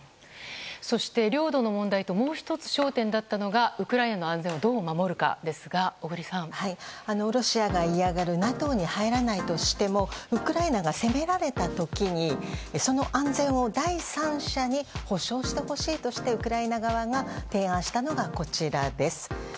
そして、領土の問題ともう１つ焦点だったのがウクライナの安全をどう守るかですがロシアが嫌がるＮＡＴＯに入らないとしてもウクライナが攻められた時に、その安全を第三者に保障してほしいとしてウクライナ側が提案したのがこちらです。